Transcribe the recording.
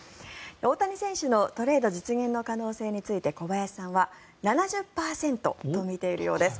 大谷選手のトレード実現の可能性について小林さんは７０％と見ているようです。